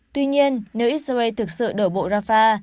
tuy nhiên nếu israel thực sự đổ bộ rafah